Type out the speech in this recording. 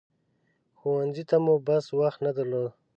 ښوونځي ته مو بس وخت نه درلود.